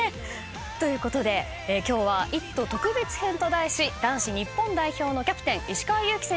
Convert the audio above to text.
ということで今日は『イット！特別編』と題し男子日本代表のキャプテン石川祐希選手を特集します。